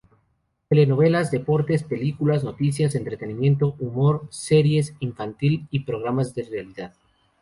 Telenovelas, Deportes, Películas, Noticias, Entretenimiento, humor, series, infantil y Programas de Realidad.